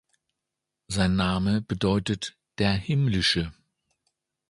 Sein Name bedeutet "der Himmlische".